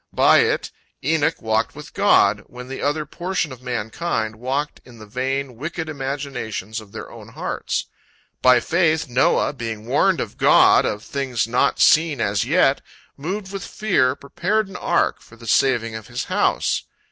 By it, Enoch walked with God, when the other portion of mankind walked in the vain wicked imaginations of their own hearts. "By faith Noah, being warned of God of things not seen as yet, moved with fear, prepared an ark for the saving of his house."